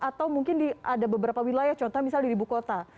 atau mungkin ada beberapa wilayah contohnya di ibu kota